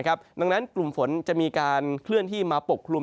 ดังนั้นกลุ่มฝนจะมีการเคลื่อนที่มาปกคลุม